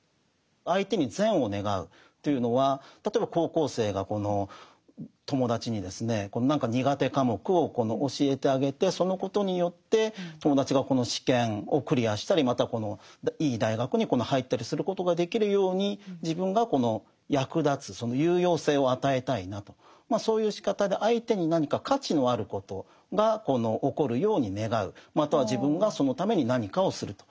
相手に善を願うというのは例えば高校生がこの友達にですね何か苦手科目を教えてあげてそのことによって友達がこの試験をクリアしたりまたいい大学に入ったりすることができるように自分がこの役立つ有用性を与えたいなとそういうしかたでまたは自分がそのために何かをすると。